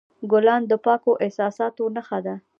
ګلان د پاکو احساساتو نښه ده.